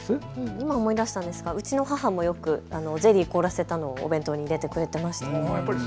今思い出したんですがうちの母もよくゼリーを凍らせたものをお弁当に入れてくれていました。